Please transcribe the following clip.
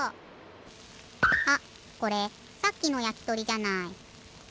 あっこれさっきのやきとりじゃない。